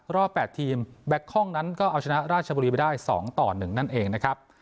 รอบ๘ทีมแบ็คองนั้นก็เอาชนะราชบุรีไปได้๒ต่อ๑นั่นเองนะครับ